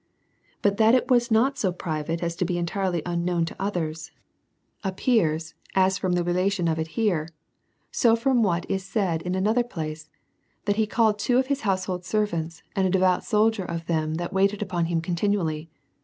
But that it was not so private, as to be entirely un known to others, appears, as from the relation of it here, so, from what is said in another place, that he called tioo of his household servants, and a devout soldier of them that waited upon him continually